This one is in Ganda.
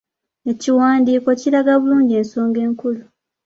Ekiwandiiko kiraga bulungi ensonga enkulu.